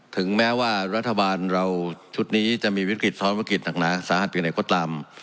ถึงแม้ว่ารัฐบาลเราชุดนี้จะมีวิกฤตซ้อนวิกฤตหนักหนาสาหัสเพียงไหนก็ตาม